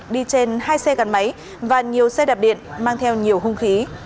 đi trên hai xe gắn máy và nhiều xe đạp điện mang theo nhiều hung khí